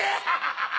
ハハハ！